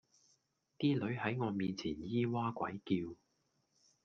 啲女喺我面前咿哇鬼叫